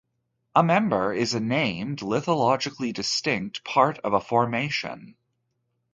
A member is a named lithologically distinct part of a formation.